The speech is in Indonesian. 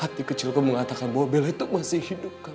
hati kecilku mengatakan bahwa bella itu masih hidup kak